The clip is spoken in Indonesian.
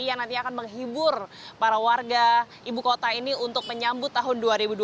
yang nantinya akan menghibur para warga ibu kota ini untuk menyambut tahun dua ribu dua puluh